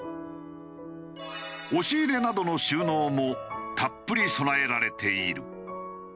押し入れなどの収納もたっぷり備えられている。